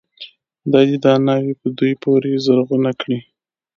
خدای دې دا ناوې په دوی پورې زرغونه کړي.